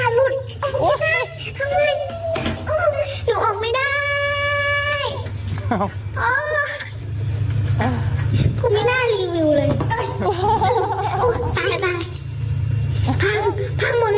อ้าวลุดค่ะลุดออกไม่ได้ทำไมอุ๊ยหนูออกไม่ได้